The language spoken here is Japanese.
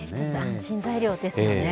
安心材料ですよね。